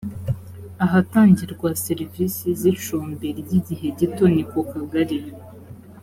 ahatangirwa serivisi z’ icumbi ry’ igihe gito ni ku kagari